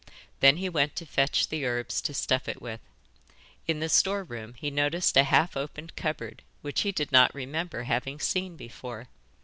Then he went to fetch the herbs to stuff it with. In the store room he noticed a half opened cupboard which he did not remember having seen before.